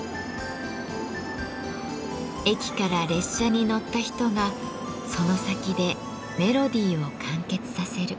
駅から列車に乗った人がその先でメロディーを完結させる。